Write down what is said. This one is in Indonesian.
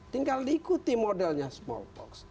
tinggal diikuti modelnya smallpox